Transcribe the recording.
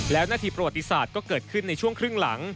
แล้วหน้าที่ประวัติศาสตร์ก็เกิดขึ้นในช่วงครึ่งหลัง